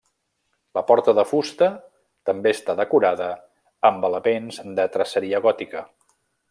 La porta de fusta també està decorada amb elements de traceria gòtica.